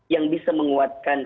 yang bisa menguatkan